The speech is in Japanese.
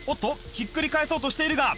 ひっくり返そうとしているが」